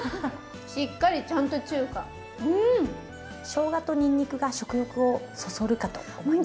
しょうがとにんにくが食欲をそそるかと思います。